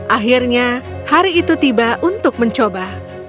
akhirnya hari itu tiba untuk mencoba